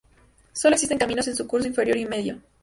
Sólo existen caminos en su curso inferior y medio.